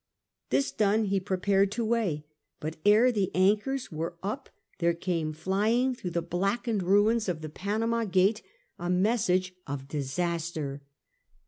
This done he prepared to weigh, but ere the anchors were up there came flying through the blackened ruins of the Panama gate a message of disaster.